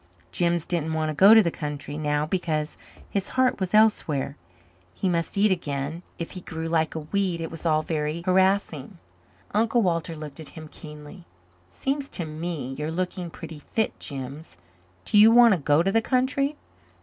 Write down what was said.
Jims didn't want to go to the country now because his heart was elsewhere. He must eat again, if he grew like a weed. It was all very harassing. Uncle Walter looked at him keenly. "It seems to me you're looking pretty fit, Jims. Do you want to go to the country?"